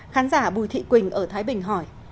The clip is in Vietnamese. khán giả bùi thị quỳnh ở thái bình hỏi